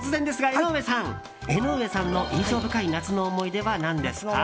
江上さんの印象深い夏の思い出は何ですか？